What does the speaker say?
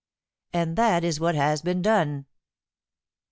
"And that is what has been done."